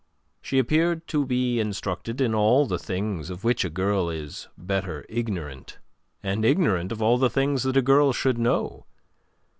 She appeared to be instructed in all the things of which a girl is better ignorant, and ignorant of all the things that a girl should know.